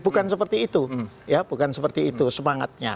bukan seperti itu ya bukan seperti itu semangatnya